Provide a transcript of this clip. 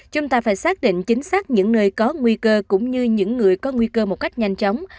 chúng ta phải xác định chính xác những nơi có nguy cơ cũng như những người có nguy cơ một cách nhanh chóng